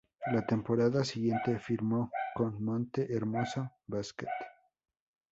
La temporada siguiente, firmó con Monte Hermoso Basket.